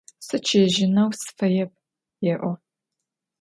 Sıççıêjıneu sıfaêp, – yê'o.